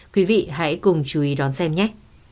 quý vị hãy cùng chú ý đón xem nhé